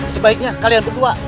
sebaiknya kalian berdua